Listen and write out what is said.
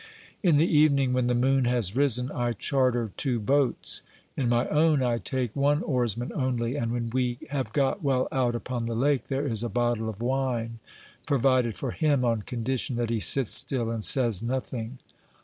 In the evening when the moon has risen I charter two boats. In my own I take one oarsman only, and when we have got well out upon the lake there is a bottle of wine provided for him on condition that he sits still and says nothing.